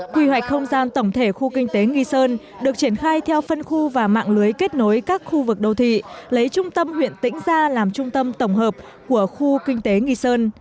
quy hoạch không gian tổng thể khu kinh tế nghi sơn được triển khai theo phân khu và mạng lưới kết nối các khu vực đô thị lấy trung tâm huyện tĩnh gia làm trung tâm tổng hợp của khu kinh tế nghi sơn